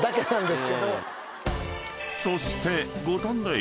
［そして］